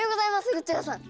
ルッチョラさん！